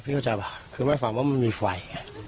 พี่เข้าจ่ายบอกคือไม่ฝังว่ามันมีไฟ